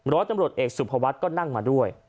ร้อยตำรวจเอกสุภวัฒน์ก็นั่งมาด้วย